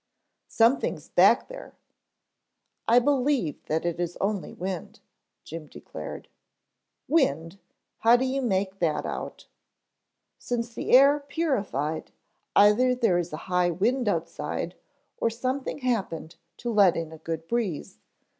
"Something's back there " "I believe that is only wind," Jim declared. "Wind, how do you make that out?" "Since the air purified, either there is a high wind outside or something happened to let in a good breeze.